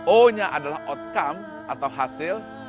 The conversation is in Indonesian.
o nya adalah outcome atau hasil